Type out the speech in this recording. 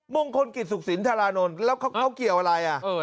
มงคลกิจศุกษิณฐาลานนท์แล้วเขาเขาเกี่ยวอะไรอะ